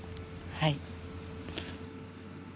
はい。